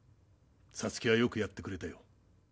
皐月はよくやってくれたよ。